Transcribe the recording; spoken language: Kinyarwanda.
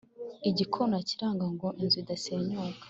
igikona kiranga ngo inzu idasenyuka.